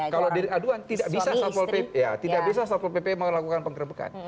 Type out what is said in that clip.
kalau delik aduan tidak bisa soal pp melakukan penggerbekan